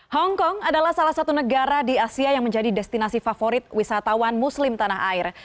hongkong adalah salah satu negara di asia yang menjadi destinasi favorit wisatawan muslim tanah air